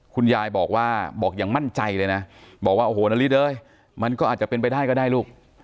คุณยายบอกว่าบอกอย่างมั่นใจเลยนะบอกว่าโอ้โหนาริสเอ้ยมันก็อาจจะเป็นไปได้ก็ได้ลูก